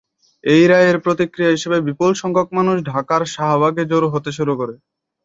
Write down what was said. এই রায়ের প্রতিক্রিয়া হিসেবে বিপুল সংখ্যক মানুষ ঢাকার শাহবাগে জড়ো হতে শুরু করে।